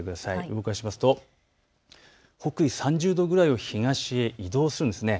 動かしますと北緯３０度くらいを東へ移動するんです。